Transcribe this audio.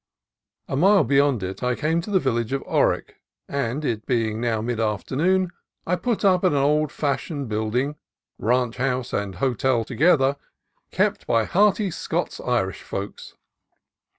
A mile beyond it I came to the village of Orick, and, it being now mid afternoon, I put up at an old fashioned build ing, ranch house and hotel together, kept by hearty Scotch Irish folks.